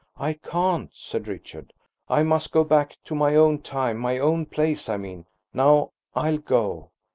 "I can't," said Richard. "I must go back to my own time, my own place, I mean. Now I'll go.